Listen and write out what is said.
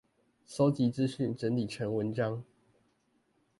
搜集資訊整理成文件